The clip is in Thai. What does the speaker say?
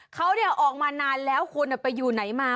เขาออกมานานแล้วคุณไปอยู่ไหนมา